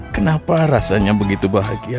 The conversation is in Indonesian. kenapa rasanya begitu bahagia